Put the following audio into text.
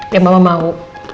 ya mbak mbak mau